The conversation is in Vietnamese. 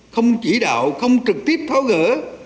không chỉ đạo không trực tiếp tháo gỡ